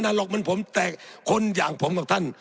ในพรรคผมก็๓๔คน